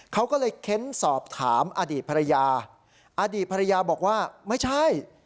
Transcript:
เขาก็เลยเค้นสอบถามอดีตภรรยาอดีตภรรยาบอกว่าไม่ใช่